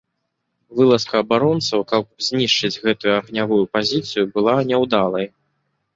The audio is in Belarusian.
Вылазка абаронцаў, каб знішчыць гэту агнявую пазіцыю, была няўдалай.